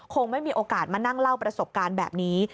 คงไม่มีโอกาสมานั่งเล่าประสบการณ์แบบนี้